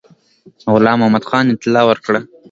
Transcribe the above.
غلام محمدخان اطلاع ورکړه.